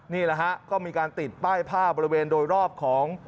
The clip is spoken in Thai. นี่แหละฮะก็มีการติดป้ายผ้าบริเวณโดยรอบของ